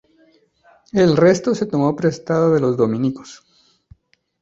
El restó los tomó prestados de los dominicos.